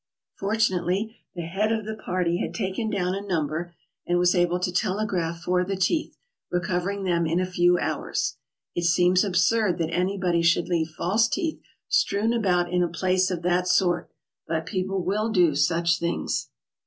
Fortunately, the head of the party had taken down a number and was able to telegraph for the teeth, recovering them in a few 'hours. It seems absurd that anybody should leave false teeth strewn about in a place of that sort, but people will do such things.